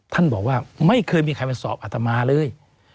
ท่านบอกว่าไม่เคยมีใครมาสอบอัตมาเลย